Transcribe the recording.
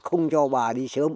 không cho bà đi sớm